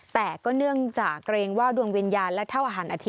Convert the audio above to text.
แต่ก็เนื่องจากเกรงว่าดวงวิญญาณและเท่าอาหารอาทิต